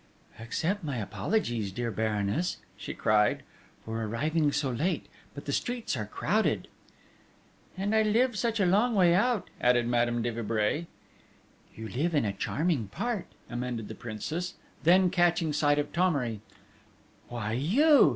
"Accept all my apologies, dear Baroness," she cried, "for arriving so late; but the streets are so crowded!" "... And I live such a long way out!" added Madame de Vibray. "You live in a charming part," amended the Princess. Then, catching sight of Thomery: "Why, you!"